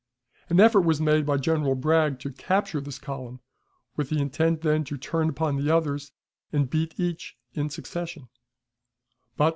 An effort was made by General Bragg to capture this column, with intent then to turn upon the others, and beat each in succession.